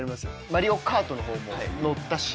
マリオカートの方も乗ったし。